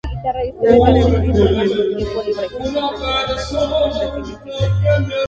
Lago de Boo y Muelle Roto de "Super Circuit" tienen atajos o cortes invisibles.